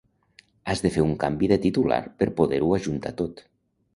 Has de fer un canvi de titular per poder-ho ajuntar tot